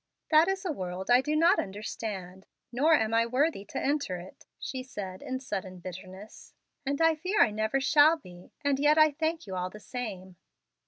"That is a world I do not understand; nor am I worthy to enter it," she said in sudden bitterness, "and I fear I never shall be; and yet I thank you all the same."